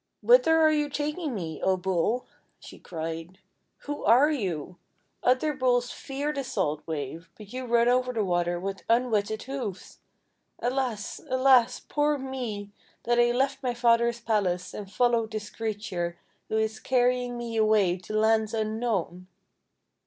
'Whither are you taking me, O Bull?'1 she cried. "Who are you? Other Bulls fear the salt wave, but you run over the water with un wetted hoofs! Alas! Alas! poor me! that I left my father's palace and followed this crea ture, who is carrying me away to lands un known!'